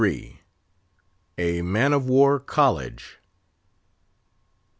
A MAN OF WAR COLLEGE.